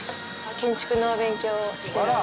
建築の勉強しています。